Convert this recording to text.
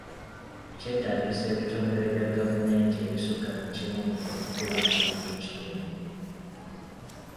Kyetaagisa ebitongole bya gavumenti ebisukka mu kimu okukulaakulanya ekitundu.